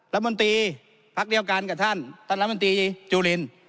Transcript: รัฐมนตรีพักเดียวกันกับท่านท่านรัฐมนตรีจุลิน